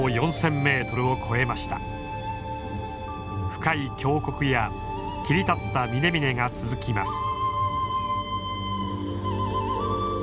深い峡谷や切り立った峰々が続きます。